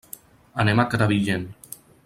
Anem a Crevillent.